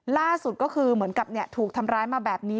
ล่าสุดก็คือเหมือนกับถูกทำร้ายมาแบบนี้